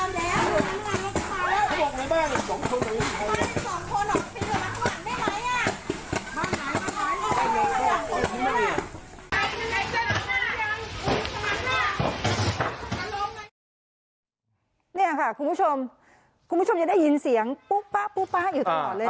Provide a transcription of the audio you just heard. นี่ค่ะคุณผู้ชมคุณผู้ชมยังได้ยินเสียงปุ๊บป๊ะอยู่ตลอดเลย